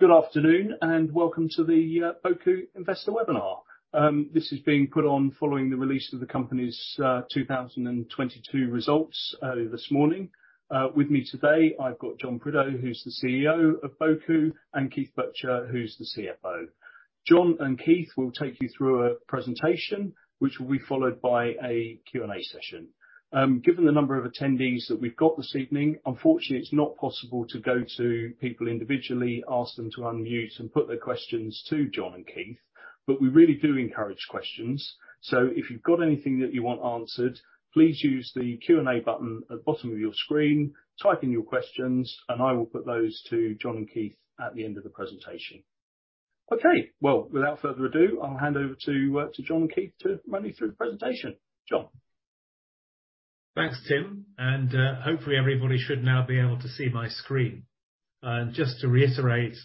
Good afternoon, and welcome to the Boku Investor Webinar. This is being put on following the release of the company's 2022 results early this morning. With me today, I've got Jon Prideaux, who's the CEO of Boku, and Keith Butcher, who's the CFO. Jon and Keith will take you through a presentation which will be followed by a Q&A session. Given the number of attendees that we've got this evening, unfortunately, it's not possible to go to people individually, ask them to unmute and put their questions to Jon and Keith. We really do encourage questions, so if you've got anything that you want answered, please use the Q&A button at the bottom of your screen, type in your questions, and I will put those to Jon and Keith at the end of the presentation. Okay. Well, without further ado, I'll hand over to Jon and Keith to run me through the presentation. Jon? Thanks, Tim, hopefully everybody should now be able to see my screen. Just to reiterate,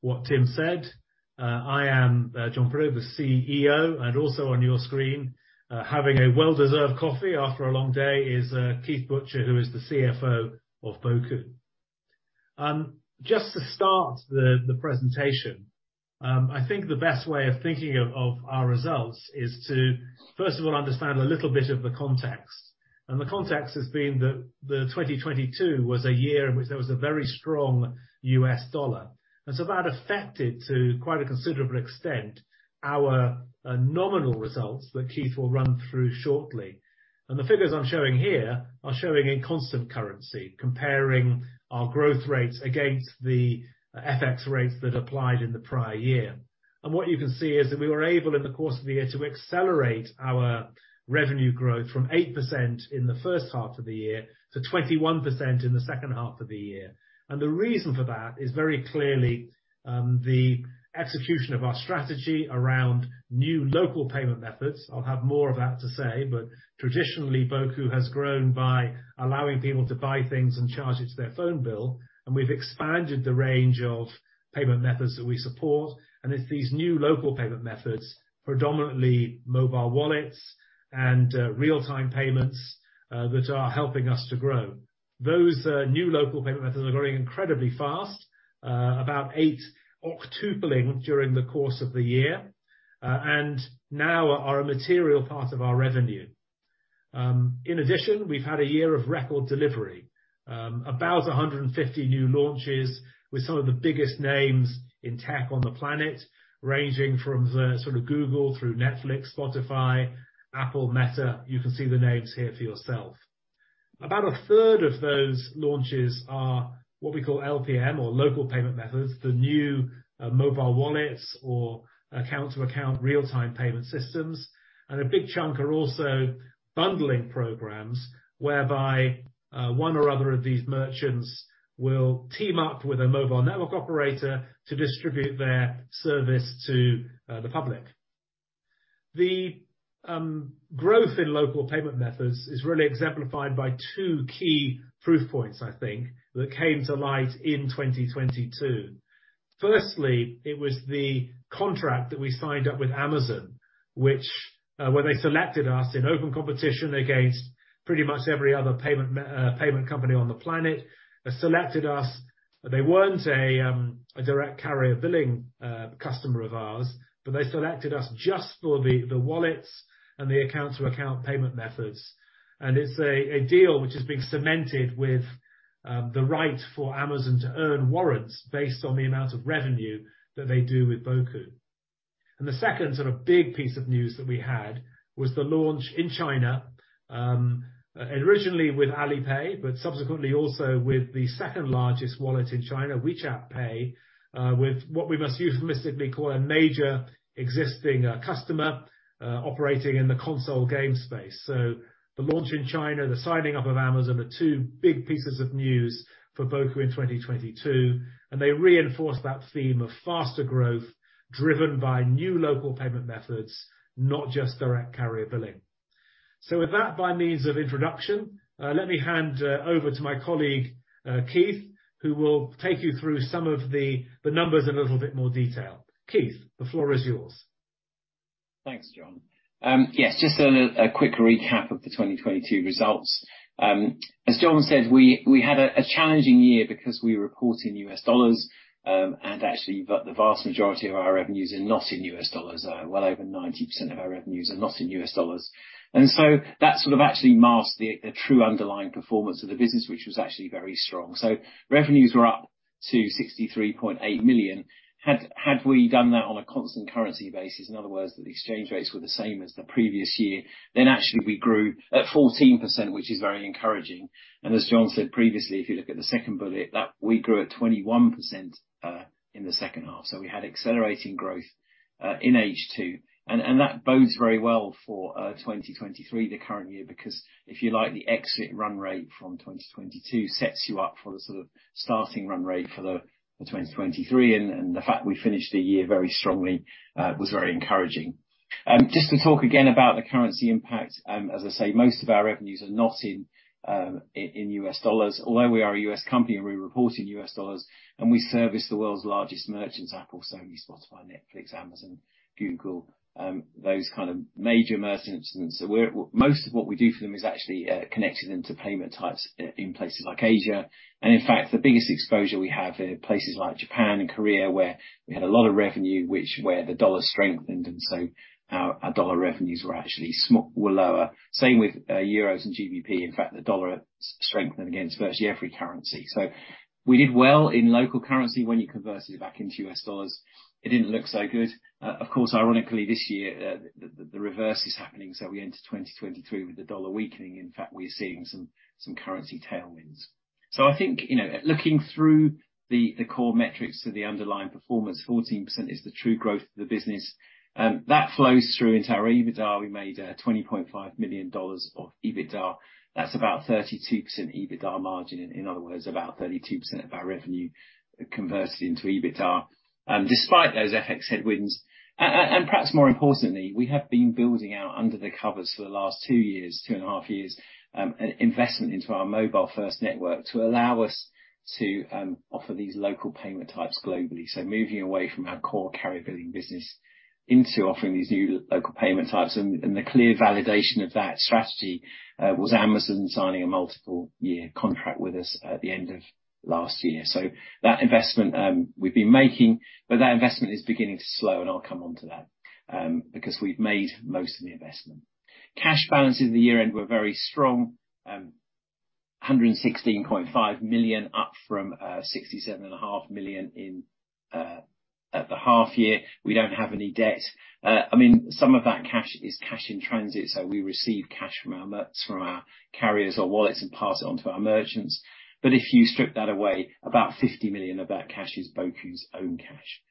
what Tim said, I am Jon Prideaux, the CEO, and also on your screen, having a well-deserved coffee after a long day is Keith Butcher, who is the CFO of Boku. Just to start the presentation, I think the best way of thinking of our results is to, first of all, understand a little bit of the context. The context has been that 2022 was a year in which there was a very strong US dollar. So that affected, to quite a considerable extent, our nominal results that Keith will run through shortly. The figures I'm showing here are showing in constant currency, comparing our growth rates against the FX rates that applied in the prior year. What you can see is that we were able, in the course of the year, to accelerate our revenue growth from 8% in the first half of the year to 21% in the second half of the year. The reason for that is very clearly the execution of our strategy around new local payment methods. I'll have more of that to say, but traditionally, Boku has grown by allowing people to buy things and charge it to their phone bill, and we've expanded the range of payment methods that we support. It's these new local payment methods, predominantly mobile wallets and real-time payments, that are helping us to grow. Those new local payment methods are growing incredibly fast, about eight octupling during the course of the year. Now are a material part of our revenue. In addition, we've had a year of record delivery. About 150 new launches with some of the biggest names in tech on the planet, ranging from the sort of Google through Netflix, Spotify, Apple, Meta. You can see the names here for yourself. About a third of those launches are what we call LPM or local payment methods, the new mobile wallets or account-to-account real-time payment systems. A big chunk are also bundling programs whereby one or other of these merchants will team up with a mobile network operator to distribute their service to the public. The growth in local payment methods is really exemplified by two key proof points, I think, that came to light in 2022. Firstly, it was the contract that we signed up with Amazon, which, when they selected us in open competition against pretty much every other payment company on the planet, has selected us. They weren't a direct carrier billing customer of ours, but they selected us just for the wallets and the account-to-account payment methods. It's a deal which is being cemented with the right for Amazon to earn warrants based on the amount of revenue that they do with Boku. The second sort of big piece of news that we had was the launch in China, originally with Alipay, but subsequently also with the second largest wallet in China, WeChat Pay, with what we must euphemistically call a major existing customer operating in the console game space. The launch in China, the signing up of Amazon, are two big pieces of news for Boku in 2022, and they reinforce that theme of faster growth driven by new local payment methods, not just direct carrier billing. With that, by means of introduction, let me hand over to my colleague, Keith, who will take you through some of the numbers in a little bit more detail. Keith, the floor is yours. Thanks, Jon. Yes, just a quick recap of the 2022 results. As Jon said, we had a challenging year because we report in US dollars, and actually, the vast majority of our revenues are not in US dollars. Well over 90% of our revenues are not in US dollars. That sort of actually masks the true underlying performance of the business, which was actually very strong. Revenues were up to $63.8 million. Had we done that on a constant currency basis, in other words, that the exchange rates were the same as the previous year, then actually we grew at 14%, which is very encouraging. As Jon said previously, if you look at the second bullet, that we grew at 21% in the second half. We had accelerating growth, in H2, and that bodes very well for 2023, the current year, because if you like, the exit run rate from 2022 sets you up for the sort of starting run rate for the 2023. The fact we finished the year very strongly, was very encouraging. Just to talk again about the currency impact, as I say, most of our revenues are not in US dollars. Although we are a US company and we report in US dollars, and we service the world's largest merchants, Apple, Sony, Spotify, Netflix, Amazon, Google, those kind of major merchants. Most of what we do for them is actually connecting them to payment types in places like Asia. In fact, the biggest exposure we have are places like Japan and Korea, where we had a lot of revenue, which where the dollar strengthened, and so our dollar revenues were actually lower. Same with euros and GBP. In fact, the dollar strengthened against virtually every currency. We did well in local currency. When you converted it back into US dollars, it didn't look so good. Of course, ironically, this year, the reverse is happening, so we enter 2023 with the dollar weakening. In fact, we're seeing some currency tailwinds. I think, you know, looking through the core metrics for the underlying performance, 14% is the true growth of the business. That flows through into our EBITDA. We made $20.5 million of EBITDA. That's about 32% EBITDA margin. In other words, about 32% of our revenue converted into EBITDA, despite those FX headwinds. Perhaps more importantly, we have been building out under the covers for the last two years, two and a half years, an investment into our mobile-first network to allow us to offer these local payment types globally. Moving away from our core carrier billing business into offering these new local payment types. The clear validation of that strategy was Amazon signing a multiple year contract with us at the end of last year. That investment we've been making, but that investment is beginning to slow, and I'll come onto that, because we've made most of the investment. Cash balances at the year-end were very strong, $116.5 million, up from $67.5 million at the half year. We don't have any debt. I mean, some of that cash is cash in transit, so we receive cash from our carriers or wallets and pass it on to our merchants. If you strip that away, about $50 million of that cash is Boku's own cash.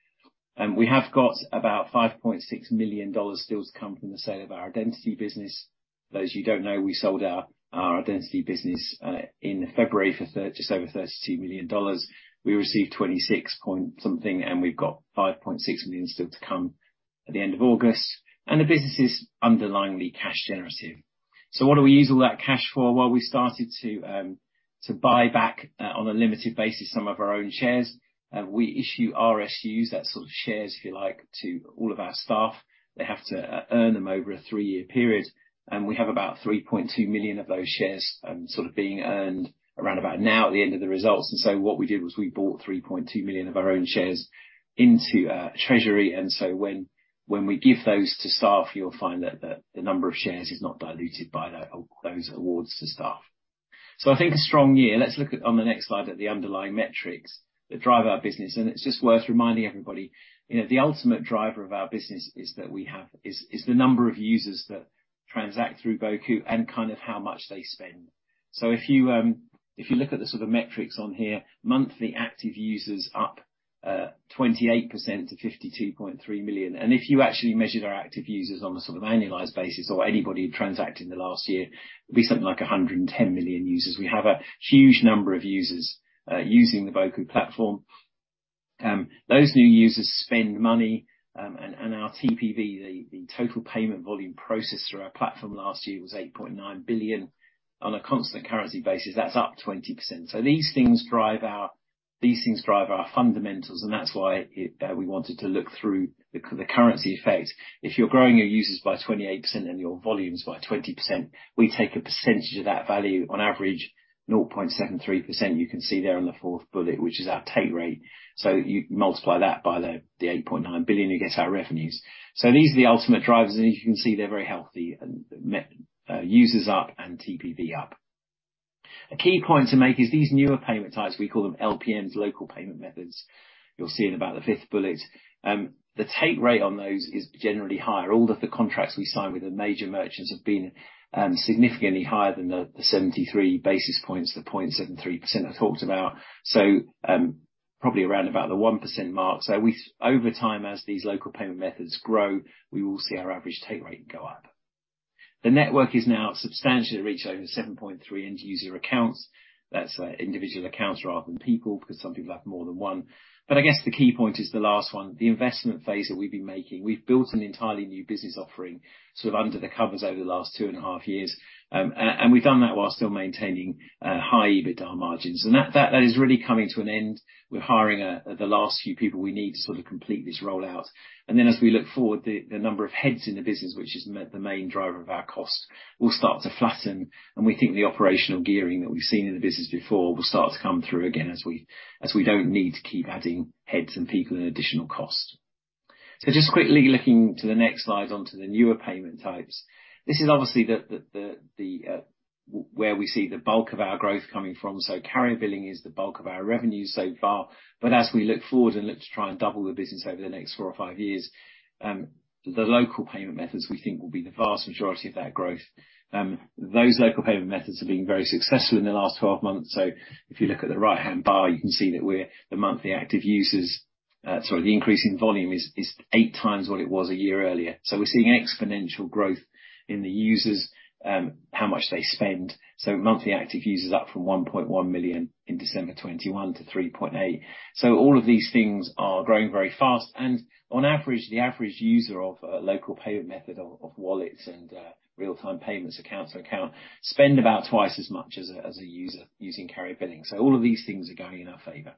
We have got about $5.6 million still to come from the sale of our identity business. For those of you don't know, we sold our identity business in February for just over $32 million. We received $26 point something, and we've got $5.6 million still to come at the end of August. The business is underlyingly cash generative. What do we use all that cash for? We started to buy back on a limited basis, some of our own shares. We issue RSUs, that sort of shares if you like, to all of our staff. They have to earn them over a three-year period. We have about 3.2 million of those shares sort of being earned around about now at the end of the results. What we did was we bought 3.2 million of our own shares into treasury. When we give those to staff, you'll find that the number of shares is not diluted by that or those awards to staff. I think a strong year. Let's look at, on the next slide, at the underlying metrics that drive our business, and it's just worth reminding everybody, you know, the ultimate driver of our business is the number of users that transact through Boku and kind of how much they spend. If you look at the sort of metrics on here, monthly active users up 28% to 52.3 million. If you actually measured our active users on a sort of annualized basis or anybody who transacted in the last year, it'd be something like 110 million users. We have a huge number of users using the Boku platform. Those new users spend money, and our TPV, the total payment volume processed through our platform last year was $8.9 billion. On a constant currency basis, that's up 20%. These things drive our fundamentals, and that's why it we wanted to look through the currency effect. If you're growing your users by 28% and your volumes by 20%, we take a percentage of that value on average, 0.73%, you can see there on the fourth bullet, which is our take rate. You multiply that by the $8.9 billion, you get our revenues. These are the ultimate drivers, and as you can see, they're very healthy, users up and TPV up. A key point to make is these newer payment types, we call them LPMs, local payment methods, you'll see in about the fifth bullet. The take rate on those is generally higher. All of the contracts we sign with the major merchants have been significantly higher than the 73 basis points, the 0.73% I talked about, so probably around about the 1% mark. Over time, as these local payment methods grow, we will see our average take rate go up. The network is now substantially reached over 7.3 end user accounts. That's individual accounts rather than people, because some people have more than one. I guess the key point is the last one, the investment phase that we've been making. We've built an entirely new business offering sort of under the covers over the last two and a half years. And we've done that while still maintaining high EBITDA margins. That is really coming to an end. We're hiring the last few people we need to sort of complete this rollout. Then as we look forward, the number of heads in the business, which is the main driver of our costs, will start to flatten. We think the operational gearing that we've seen in the business before will start to come through again as we don't need to keep adding heads and people and additional costs. Just quickly looking to the next slide onto the newer payment types. This is obviously the where we see the bulk of our growth coming from. Carrier billing is the bulk of our revenues so far. As we look forward and look to try and double the business over the next four or five years, the local payment methods we think will be the vast majority of that growth. Those local payment methods have been very successful in the last 12 months. If you look at the right-hand bar, you can see that we're the monthly active users. The increasing volume is 8 times what it was a year earlier. We're seeing exponential growth in the users, how much they spend. Monthly active users up from $1.1 million in December 2021 to $3.8 million. All of these things are growing very fast and on average, the average user of a local payment method of wallets and real-time payments account-to-account spend about twice as much as a user using carrier billing. All of these things are going in our favor.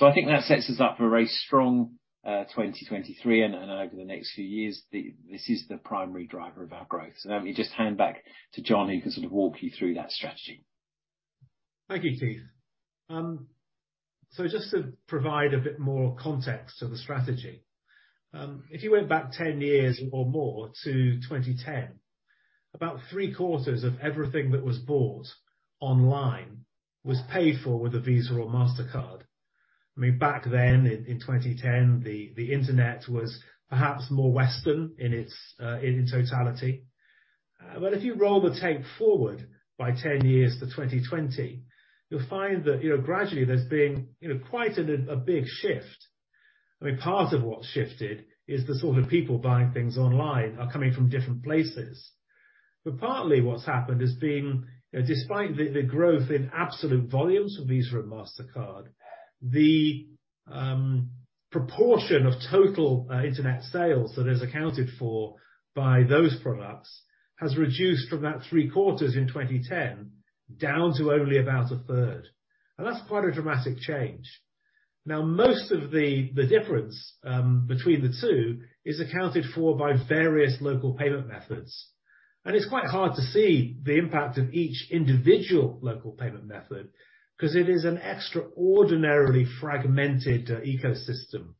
I think that sets us up for a very strong 2023 and over the next few years. This is the primary driver of our growth. Let me just hand back to Jon, who can sort of walk you through that strategy. Thank you, Keith. Just to provide a bit more context to the strategy. If you went back 10 years or more to 2010, about three-quarters of everything that was bought online was paid for with a Visa or Mastercard. I mean, back then in 2010, the Internet was perhaps more Western in its, in its totality. If you roll the tape forward by 10 years to 2020, you'll find that, you know, gradually there's been, you know, quite a big shift. I mean, part of what's shifted is the sort of people buying things online are coming from different places. Partly what's happened has been, you know, despite the growth in absolute volumes of Visa and Mastercard, the proportion of total internet sales that is accounted for by those products has reduced from about 3/4 in 2010 down to only about 1/3. That's quite a dramatic change. Now, most of the difference between the two is accounted for by various local payment methods, and it's quite hard to see the impact of each individual local payment method 'cause it is an extraordinarily fragmented ecosystem.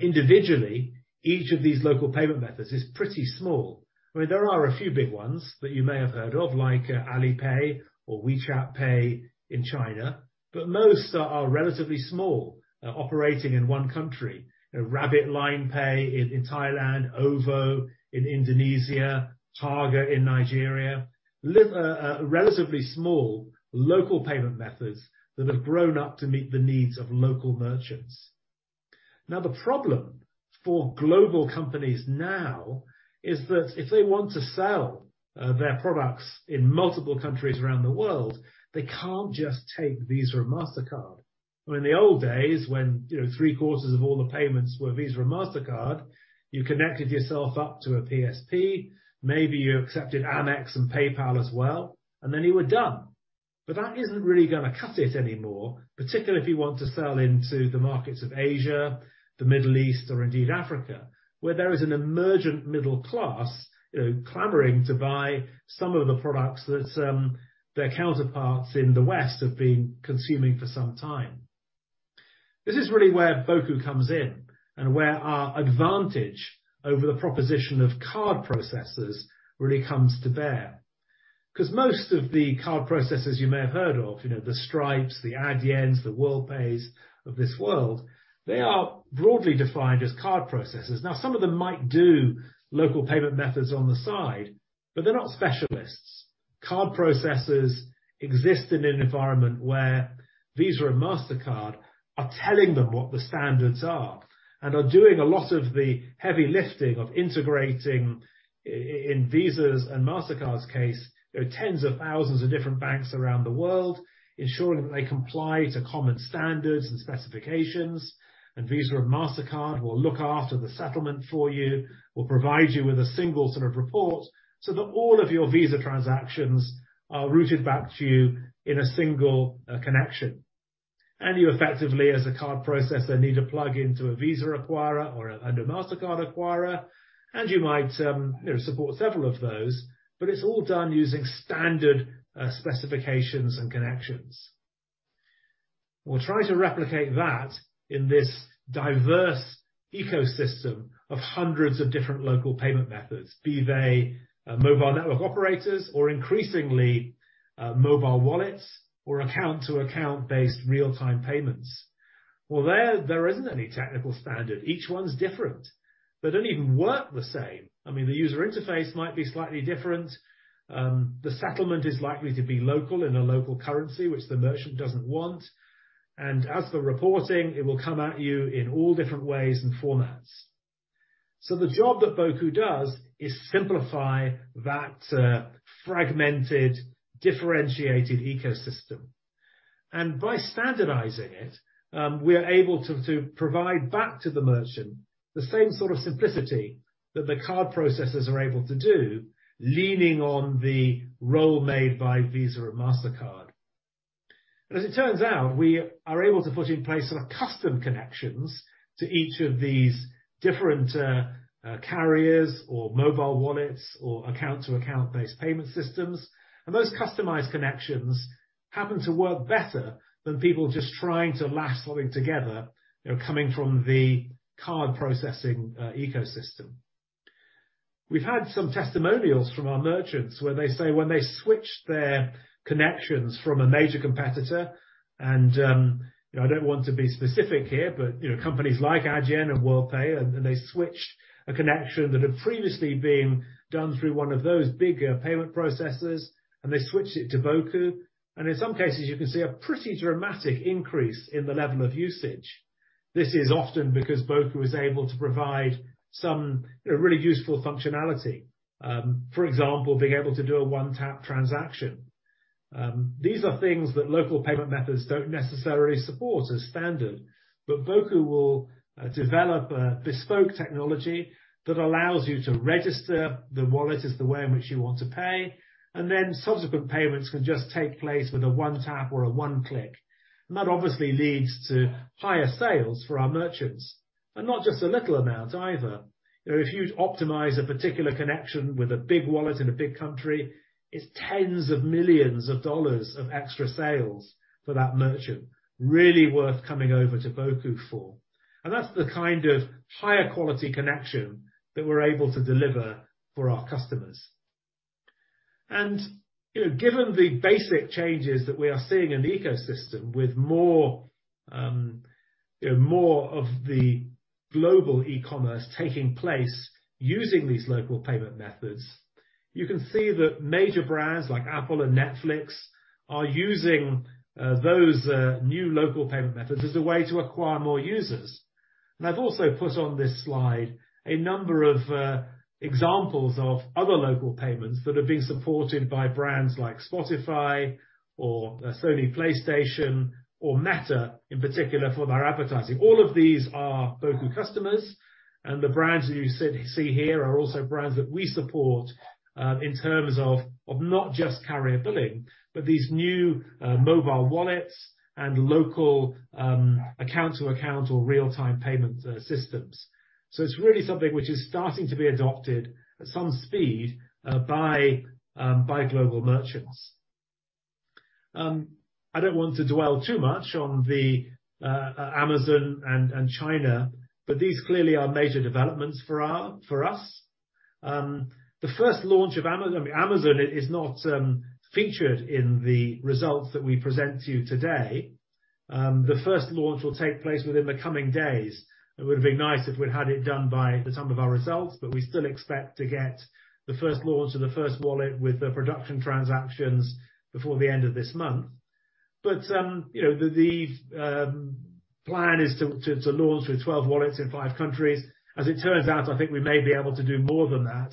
Individually, each of these local payment methods is pretty small. I mean, there are a few big ones that you may have heard of like Alipay or WeChat Pay in China, but most are relatively small, operating in one country. Rabbit LINE Pay in Thailand, OVO in Indonesia, Paga in Nigeria relatively small local payment methods that have grown up to meet the needs of local merchants. The problem for global companies now is that if they want to sell their products in multiple countries around the world, they can't just take Visa or Mastercard.I mean, in the old days when, you know, three-quarters of all the payments were Visa or Mastercard, you connected yourself up to a PSP, maybe you accepted Amex and PayPal as well, and then you were done. That isn't really gonna cut it anymore, particularly if you want to sell into the markets of Asia, the Middle East, or indeed Africa, where there is an emergent middle class, you know, clamoring to buy some of the products that their counterparts in the West have been consuming for some time. This is really where Boku comes in and where our advantage over the proposition of card processors really comes to bear. Because most of the card processors you may have heard of, you know, the Stripe, the Adyen, the Worldpay of this world, they are broadly defined as card processors. Now, some of them might do local payment methods on the side, but they're not specialists. Card processors exist in an environment where Visa and Mastercard are telling them what the standards are and are doing a lot of the heavy lifting of integrating in Visa's and Mastercard's case, you know, tens of thousands of different banks around the world, ensuring that they comply to common standards and specifications. Visa or Mastercard will look after the settlement for you, will provide you with a single sort of report so that all of your Visa transactions are routed back to you in a single connection. You effectively, as a card processor, need to plug into a Visa acquirer or, and a Mastercard acquirer, and you might, you know, support several of those, but it's all done using standard specifications and connections. Well, there isn't any technical standard. Each one's different. They don't even work the same. I mean, the user interface might be slightly different. The settlement is likely to be local in a local currency which the merchant doesn't want. As for reporting, it will come at you in all different ways and formats. The job that Boku does is simplify that fragmented, differentiated ecosystem. By standardizing it, we're able to provide back to the merchant the same sort of simplicity that the card processors are able to do, leaning on the role made by Visa or Mastercard. As it turns out, we are able to put in place sort of custom connections to each of these different carriers or mobile wallets or account-to-account-based payment systems. Those customized connections happen to work better than people just trying to lash something together, you know, coming from the card processing ecosystem. We've had some testimonials from our merchants where they say when they switch their connections from a major competitor, you know, I don't want to be specific here, but, you know, companies like Adyen and Worldpay. They switch a connection that had previously been done through one of those bigger payment processors. They switched it to Boku. In some cases, you can see a pretty dramatic increase in the level of usage. This is often because Boku is able to provide some really useful functionality. For example, being able to do a one-tap transaction. These are things that local payment methods don't necessarily support as standard. Boku will develop a bespoke technology that allows you to register the wallet as the way in which you want to pay, and then subsequent payments can just take place with a one tap or a one click. That obviously leads to higher sales for our merchants, and not just a little amount either. You know, if you'd optimize a particular connection with a big wallet in a big country, it's tens of millions of dollars of extra sales for that merchant. Really worth coming over to Boku for. That's the kind of higher quality connection that we're able to deliver for our customers. You know, given the basic changes that we are seeing in the ecosystem with more, you know, more of the global e-commerce taking place using these local payment methods, you can see that major brands like Apple and Netflix are using those new local payment methods as a way to acquire more users. I've also put on this slide a number of examples of other local payments that have been supported by brands like Spotify or Sony PlayStation or Meta in particular for their advertising. All of these are Boku customers, and the brands that you see here are also brands that we support in terms of not just carrier billing, but these new mobile wallets and local account-to-account or real-time payment systems. It's really something which is starting to be adopted at some speed by global merchants. I don't want to dwell too much on the Amazon and China, but these clearly are major developments for our, for us. The first launch of Amazon is not featured in the results that we present to you today. The first launch will take place within the coming days. It would've been nice if we'd had it done by the time of our results, but we still expect to get the first launch of the first wallet with the production transactions before the end of this month. You know, these plan is to launch with 12 wallets in five countries. As it turns out, I think we may be able to do more than that.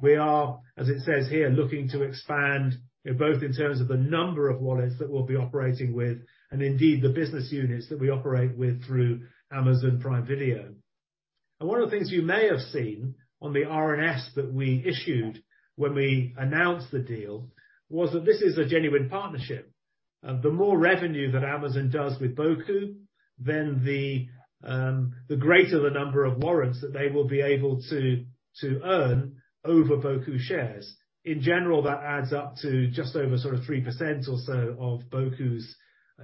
We are, as it says here, looking to expand both in terms of the number of wallets that we'll be operating with and indeed the business units that we operate with through Amazon Prime Video. One of the things you may have seen on the RNS that we issued when we announced the deal was that this is a genuine partnership. The more revenue that Amazon does with Boku, then the greater the number of warrants that they will be able to earn over Boku shares. In general, that adds up to just over sort of 3% or so of Boku's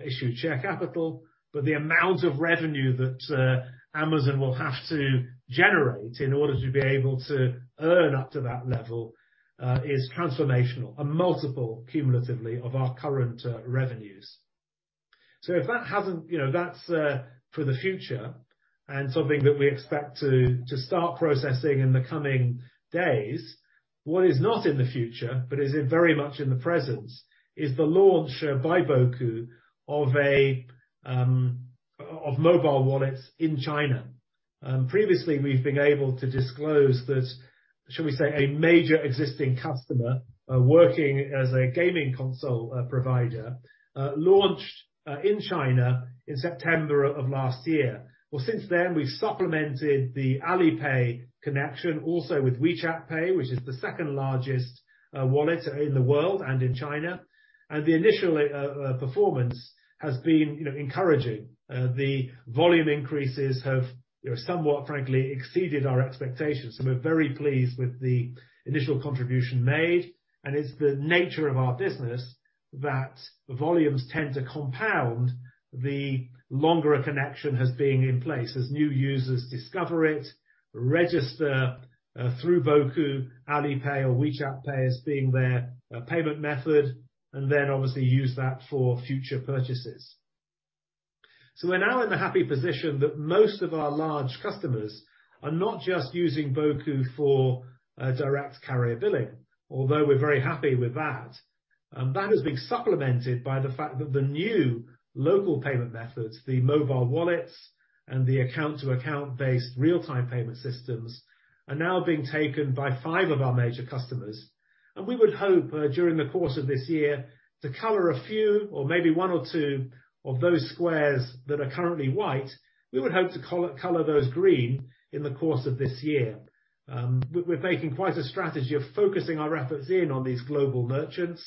issued share capital. The amount of revenue that Amazon will have to generate in order to be able to earn up to that level is transformational, a multiple cumulatively of our current revenues. If that hasn't, you know, that's for the future and something that we expect to start processing in the coming days. What is not in the future, but is very much in the presence, is the launch by Boku of mobile wallets in China. Previously, we've been able to disclose that, shall we say, a major existing customer, working as a gaming console provider, launched in China in September of last year. Since then, we've supplemented the Alipay connection also with WeChat Pay, which is the second-largest wallet in the world and in China. The initial performance has been, you know, encouraging. The volume increases have, you know, somewhat frankly exceeded our expectations. We're very pleased with the initial contribution made, and it's the nature of our business that volumes tend to compound the longer a connection has been in place as new users discover it, register through Boku, Alipay or WeChat Pay as being their payment method, and then obviously use that for future purchases. We're now in the happy position that most of our large customers are not just using Boku for direct carrier billing, although we're very happy with that. That has been supplemented by the fact that the new local payment methods, the mobile wallets and the account-to-account-based real-time payment systems, are now being taken by five of our major customers. We would hope during the course of this year to color a few or maybe one or two of those squares that are currently white. We would hope to color those green in the course of this year. We're making quite a strategy of focusing our efforts in on these global merchants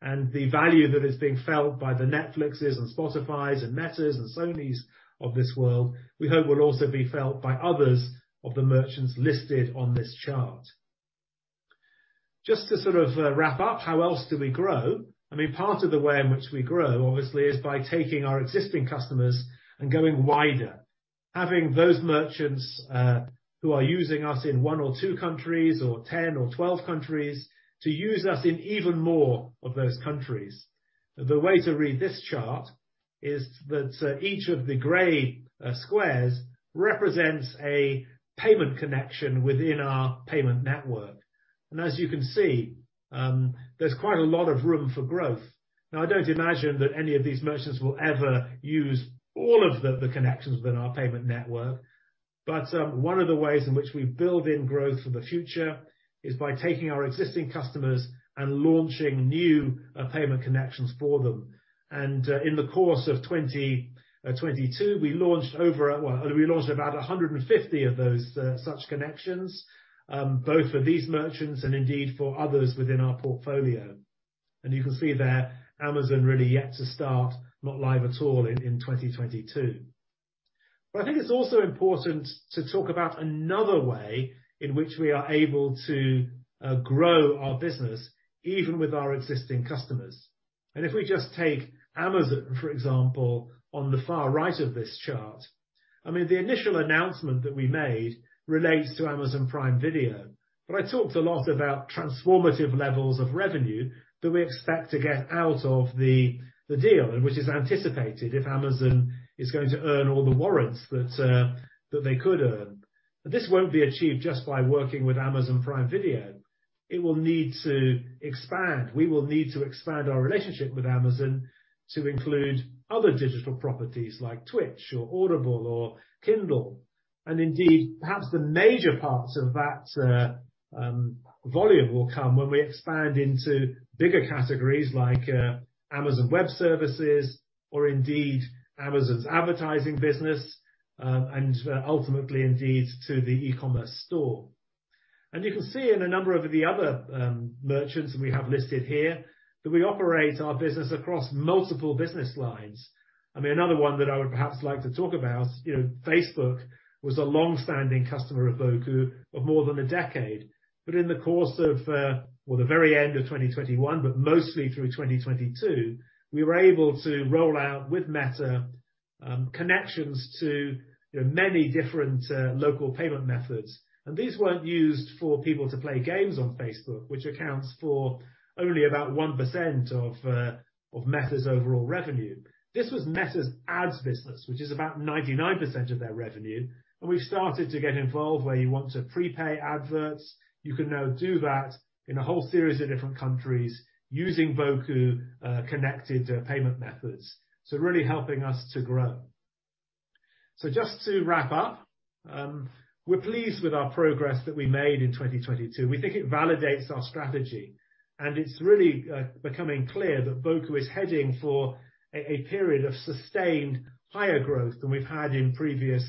and the value that is being felt by the Netflixes and Spotifys and Metas and Sonys of this world, we hope will also be felt by others of the merchants listed on this chart. Just to sort of wrap up, how else do we grow? I mean, part of the way in which we grow, obviously, is by taking our existing customers and going wider. Having those merchants who are using us in one or two countries or 10 or 12 countries to use us in even more of those countries. The way to read this chart is that each of the gray squares represents a payment connection within our payment network. As you can see, there's quite a lot of room for growth. Now, I don't imagine that any of these merchants will ever use all of the connections within our payment network. One of the ways in which we build in growth for the future is by taking our existing customers and launching new payment connections for them. In the course of 2022, we launched about 150 of those such connections, both for these merchants and indeed for others within our portfolio. You can see there, Amazon really yet to start, not live at all in 2022. I think it's also important to talk about another way in which we are able to grow our business, even with our existing customers. If we just take Amazon, for example, on the far right of this chart, I mean, the initial announcement that we made relates to Amazon Prime Video. I talked a lot about transformative levels of revenue that we expect to get out of the deal, and which is anticipated if Amazon is going to earn all the warrants that they could earn. This won't be achieved just by working with Amazon Prime Video. It will need to expand. We will need to expand our relationship with Amazon to include other digital properties like Twitch or Audible or Kindle. Indeed, perhaps the major parts of that volume will come when we expand into bigger categories like Amazon Web Services, or indeed Amazon's advertising business, and ultimately indeed to the e-commerce store. You can see in a number of the other merchants that we have listed here, that we operate our business across multiple business lines. I mean, another one that I would perhaps like to talk about, you know, Facebook was a long-standing customer of Boku of more than a decade. In the course of, well, the very end of 2021, but mostly through 2022, we were able to roll out, with Meta, connections to, you know, many different local payment methods. These weren't used for people to play games on Facebook, which accounts for only about 1% of Meta's overall revenue. This was Meta's ads business, which is about 99% of their revenue. We've started to get involved where you want to prepay adverts. You can now do that in a whole series of different countries using Boku connected payment methods. Really helping us to grow. Just to wrap up, we're pleased with our progress that we made in 2022. We think it validates our strategy, it's really becoming clear that Boku is heading for a period of sustained higher growth than we've had in previous,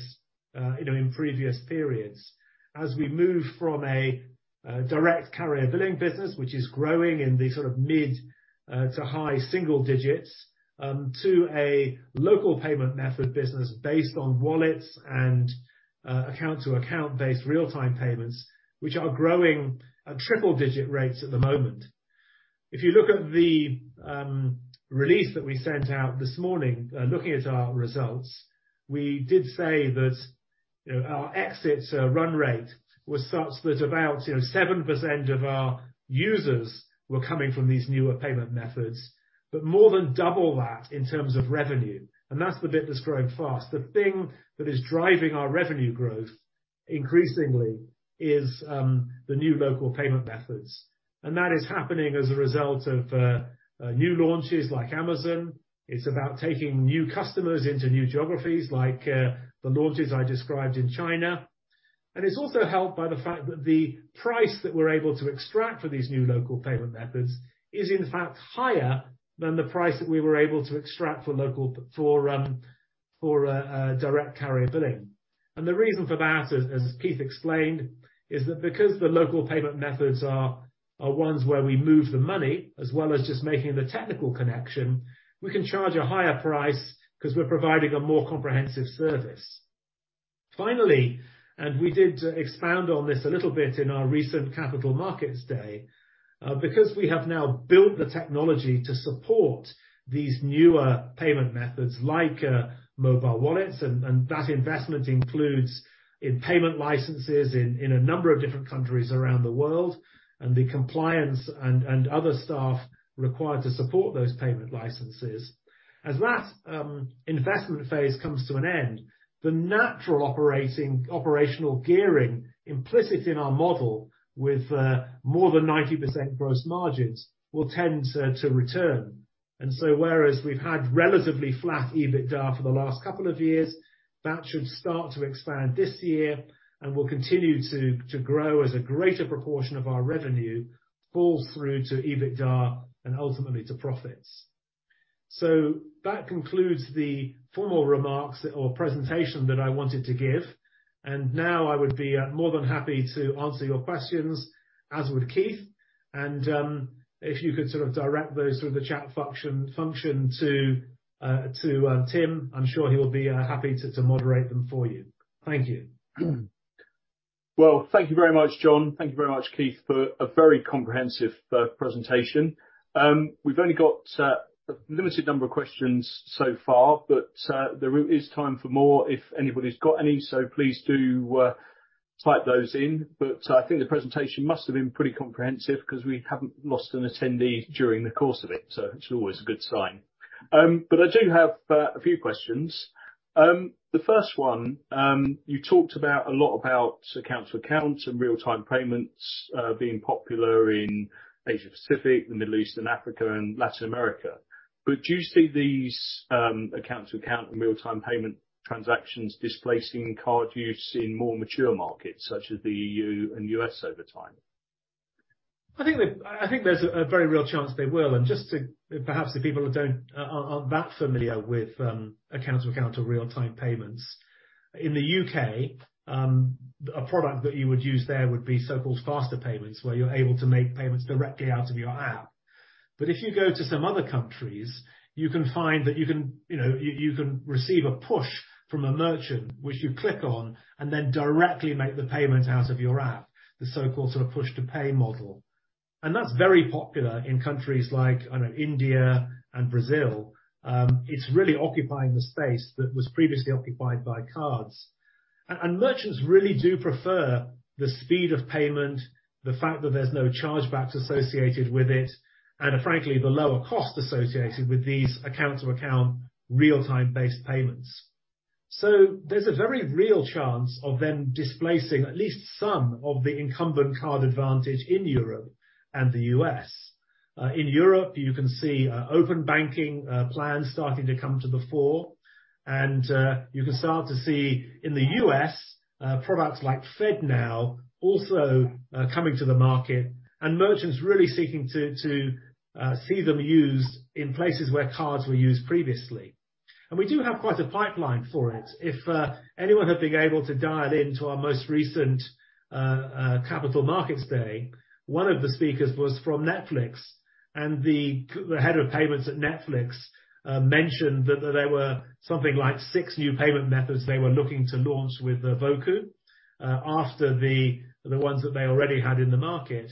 you know, in previous periods. As we move from a direct carrier billing business, which is growing in the sort of mid- to high single digits, to a local payment method business based on wallets and account-to-account based real-time payments, which are growing at triple digit rates at the moment. If you look at the release that we sent out this morning, looking at our results, we did say that, you know, our exit run rate was such that about, you know, 7% of our users were coming from these newer payment methods. More than double that in terms of revenue, and that's the bit that's growing fast. The thing that is driving our revenue growth increasingly is the new local payment methods. That is happening as a result of new launches like Amazon. It's about taking new customers into new geographies like the launches I described in China. It's also helped by the fact that the price that we're able to extract for these new local payment methods is in fact higher than the price that we were able to extract for direct carrier billing. The reason for that, as Keith explained, is that because the local payment methods are ones where we move the money as well as just making the technical connection, we can charge a higher price because we're providing a more comprehensive service. Finally, we did expand on this a little bit in our recent Capital Markets Day, because we have now built the technology to support these newer payment methods like mobile wallets, and that investment includes in-payment licenses in a number of different countries around the world, and the compliance and other staff required to support those payment licenses. As that investment phase comes to an end, the natural operational gearing implicit in our model with more than 90% gross margins will tend to return. Whereas we've had relatively flat EBITDA for the last couple of years, that should start to expand this year and will continue to grow as a greater proportion of our revenue falls through to EBITDA and ultimately to profits. That concludes the formal remarks or presentation that I wanted to give. Now I would be more than happy to answer your questions, as would Keith. If you could sort of direct those through the chat function to Tim, I'm sure he will be happy to moderate them for you. Thank you. Thank you very much, Jon. Thank you very much, Keith, for a very comprehensive presentation. We've only got a limited number of questions so far, but there is time for more if anybody's got any. So please do type those in. I think the presentation must have been pretty comprehensive, because we haven't lost an attendee during the course of it, so which is always a good sign. I do have a few questions. The first one, you talked about, a lot about account-to-account and real-time payments being popular in Asia-Pacific, the Middle East and Africa, and Latin America. Do you see these account-to-account and real-time payment transactions displacing card use in more mature markets such as the EU and US over time? I think there's a very real chance they will. Just to. Perhaps the people who don't aren't that familiar with account-to-account or real-time payments. In the UK, a product that you would use there would be so-called Faster Payments, where you're able to make payments directly out of your app. If you go to some other countries, you can find that you can, you know, you can receive a push from a merchant, which you click on and then directly make the payment out of your app, the so-called sort of push to pay model. That's very popular in countries like, I don't know, India and Brazil. It's really occupying the space that was previously occupied by cards. And merchants really do prefer the speed of payment, the fact that there's no chargebacks associated with it, and frankly, the lower cost associated with these account-to-account real-time based payments. There's a very real chance of them displacing at least some of the incumbent card advantage in Europe and the US. In Europe, you can see open banking plans starting to come to the fore. You can start to see in the US products like FedNow also coming to the market and merchants really seeking to see them used in places where cards were used previously. We do have quite a pipeline for it. If anyone had been able to dial into our most recent Capital Markets Day, one of the speakers was from Netflix. The head of payments at Netflix mentioned that there were something like six new payment methods they were looking to launch with Boku after the ones that they already had in the market.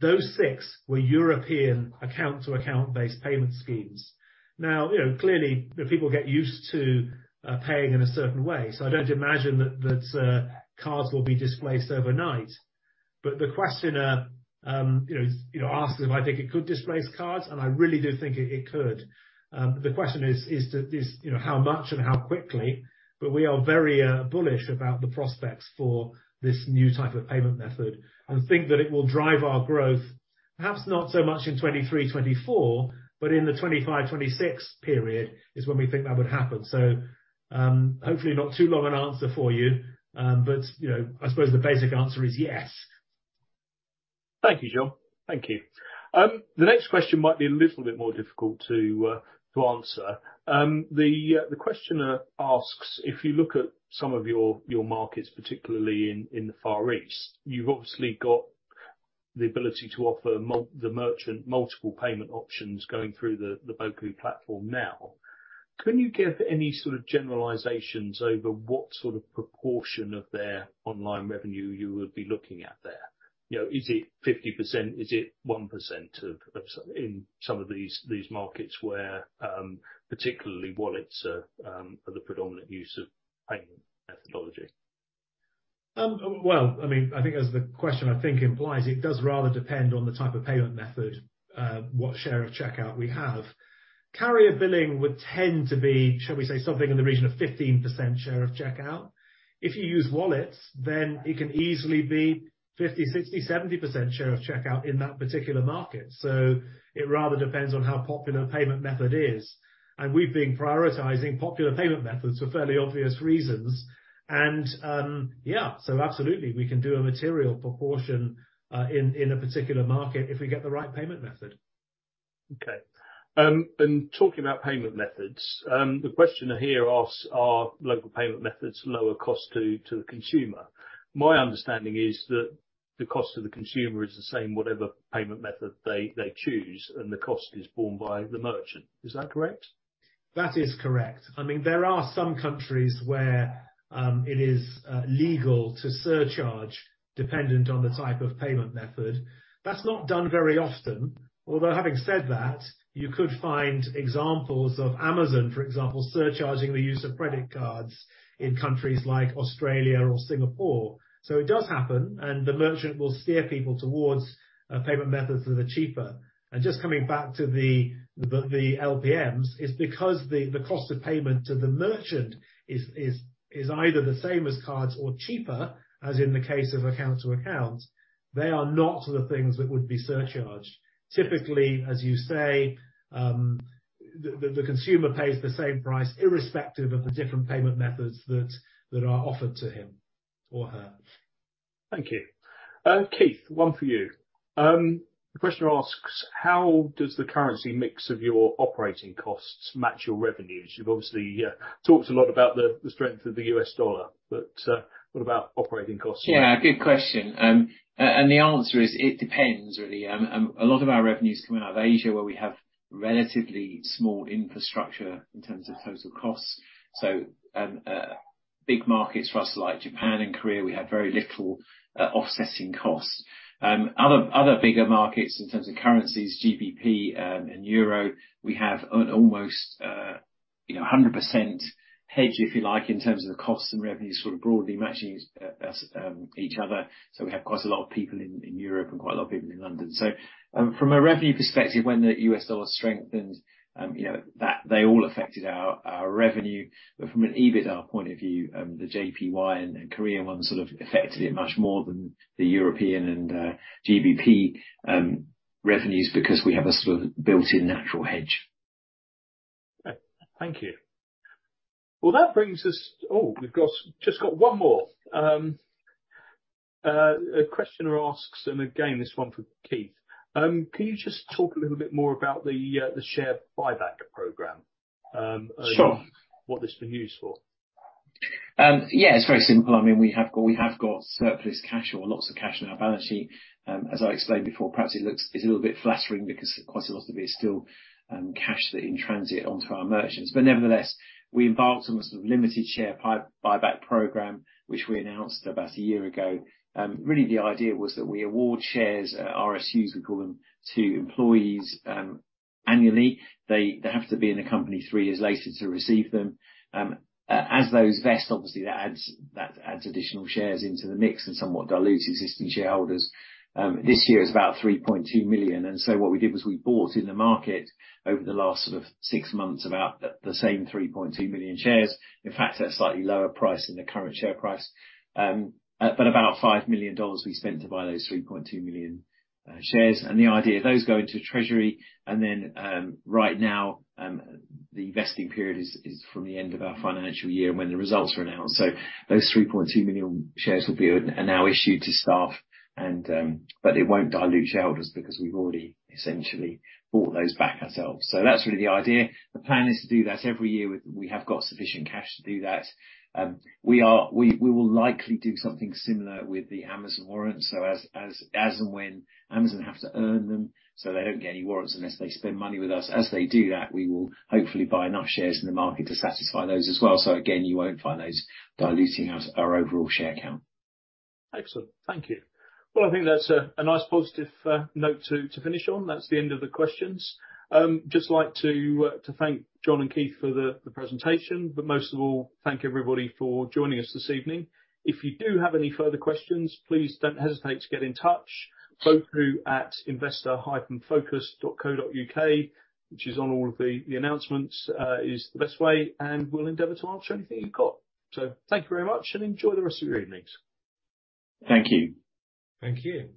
Those six were European account-to-account-based payment schemes. You know, clearly the people get used to paying in a certain way, so I don't imagine that cards will be displaced overnight. The questioner, you know, asked if I think it could displace cards, and I really do think it could. The question is, you know, how much and how quickly. We are very bullish about the prospects for this new type of payment method and think that it will drive our growth, perhaps not so much in 2023, 2024, but in the 2025, 2026 period is when we think that would happen. Hopefully not too long an answer for you. You know, I suppose the basic answer is yes. Thank you, Jon. Thank you. The next question might be a little bit more difficult to answer. The questioner asks if you look at some of your markets, particularly in the Far East, you've obviously got the ability to offer the merchant multiple payment options going through the Boku platform now. Can you give any sort of generalizations over what sort of proportion of their online revenue you would be looking at there? You know, is it 50%? Is it 1% of some, in some of these markets where particularly wallets are the predominant use of payment methodology? Well, I mean, I think as the question I think implies, it does rather depend on the type of payment method, what share of checkout we have. Carrier billing would tend to be, shall we say, something in the region of 15% share of checkout. If you use wallets, then it can easily be 50%, 60%, 70% share of checkout in that particular market. It rather depends on how popular the payment method is. We've been prioritizing popular payment methods for fairly obvious reasons. Yeah, absolutely, we can do a material proportion, in a particular market if we get the right payment method. Talking about payment methods, the question here asks, are local payment methods lower cost to the consumer? My understanding is that the cost to the consumer is the same whatever payment method they choose, and the cost is borne by the merchant. Is that correct? That is correct. I mean, there are some countries where it is legal to surcharge dependent on the type of payment method. That's not done very often. Having said that, you could find examples of Amazon, for example, surcharging the use of credit cards in countries like Australia or Singapore. It does happen, and the merchant will steer people towards payment methods that are cheaper. Just coming back to the LPMs, it's because the cost of payment to the merchant is either the same as cards or cheaper, as in the case of account-to-account, they are not the things that would be surcharged. As you say, the consumer pays the same price, irrespective of the different payment methods that are offered to him or her. Thank you. Keith, one for you. The questioner asks, how does the currency mix of your operating costs match your revenues? You've obviously talked a lot about the strength of the US dollar, but what about operating costs? Yeah, good question. The answer is it depends really. A lot of our revenues come out of Asia, where we have relatively small infrastructure in terms of total costs. Big markets for us like Japan and Korea, we have very little offsetting costs. Other bigger markets in terms of currencies, GBP, and euro, we have an almost You know, a 100% hedge, if you like, in terms of the costs and revenues sort of broadly matching each other. We have quite a lot of people in Europe and quite a lot of people in London. From a revenue perspective, when the US dollar strengthens, you know, that they all affected our revenue. From an EBITDA point of view, the JPY and the Korean one sort of affected it much more than the European and GBP revenues because we have a sort of built-in natural hedge. Thank you. That brings us... We've got, just got one more. A questioner asks, again, this one for Keith, can you just talk a little bit more about the share buyback program? Sure. What it's been used for? Yeah, it's very simple. I mean, we have got surplus cash or lots of cash on our balance sheet. As I explained before, perhaps it's a little bit flattering because quite a lot of it is still cash in transit onto our merchants. Nevertheless, we embarked on a sort of limited share buyback program, which we announced about a year ago. The idea was that we award shares, RSUs we call them, to employees, annually. They have to be in the company three years later to receive them. As those vest, obviously, that adds additional shares into the mix and somewhat dilutes existing shareholders. This year it's about 3.2 million. What we did was we bought in the market over the last sort of six months, about the same 3.2 million shares. In fact, at a slightly lower price than the current share price, but about $5 million we spent to buy those 3.2 million shares. The idea of those go into treasury and then right now the vesting period is from the end of our financial year when the results are announced. Those 3.2 million shares are now issued to staff, but it won't dilute shareholders because we've already essentially bought those back ourselves. That's really the idea. The plan is to do that every year. We have got sufficient cash to do that. We will likely do something similar with the Amazon warrants. As and when Amazon have to earn them, so they don't get any warrants unless they spend money with us. As they do that, we will hopefully buy enough shares in the market to satisfy those as well. Again, you won't find those diluting us, our overall share count. Excellent. Thank you. Well, I think that's a nice positive note to finish on. That's the end of the questions. Just like to thank Jon and Keith for the presentation, but most of all, thank everybody for joining us this evening. If you do have any further questions, please don't hesitate to get in touch. Both through at investor-focus.co.uk, which is on all of the announcements, is the best way, and we'll endeavor to answer anything you've got. Thank you very much and enjoy the rest of your evenings. Thank you. Thank you.